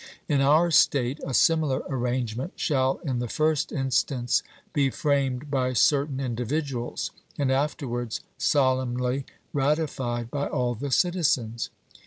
In our state a similar arrangement shall in the first instance be framed by certain individuals, and afterwards solemnly ratified by all the citizens.